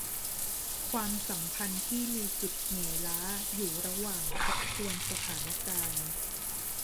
ความสัมพันธ์ที่มีจุดเหนื่อยล้าอยู่ระหว่างทบทวนสถานการณ์